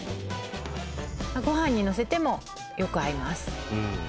ご飯にのせてもよく合います